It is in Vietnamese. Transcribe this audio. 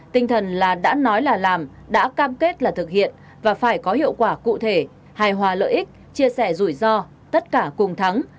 tinh thần là đã nói là làm đã cam kết là thực hiện và phải có hiệu quả cụ thể hài hòa lợi ích chia sẻ rủi ro tất cả cùng thắng